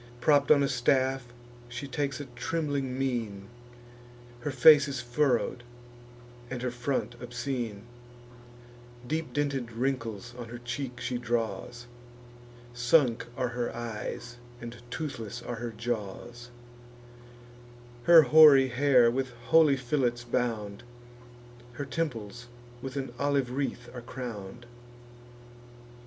Propp'd on a staff, she takes a trembling mien: Her face is furrow'd, and her front obscene; Deep dinted wrinkles on her cheek she draws; Sunk are her eyes, and toothless are her jaws; Her hoary hair with holy fillets bound, Her temples with an olive wreath are crown'd.